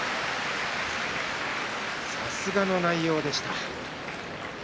さすがの内容でした。